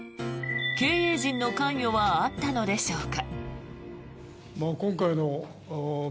経営陣の関与はあったのでしょうか。